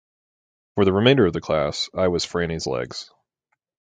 For the remainder of the class, I was Franny’s legs.